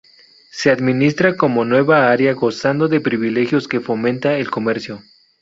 Se administra como Nueva Área gozando de privilegios que fomenta el comercio.